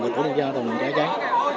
và tổ liên ra tổ liên ra cháy